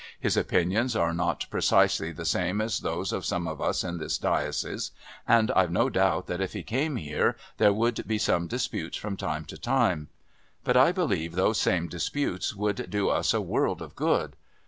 His opinions are not precisely the same as those of some of us in this diocese, and I've no doubt that if he came here there would be some disputes from time to time, but I believe those same disputes would do us a world of good.